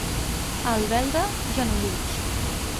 A Albelda, genolluts.